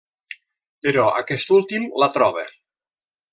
Però aquest últim la troba.